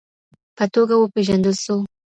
په توګه وپېژندل سو